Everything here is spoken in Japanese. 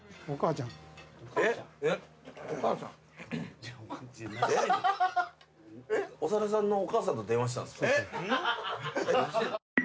お母さん？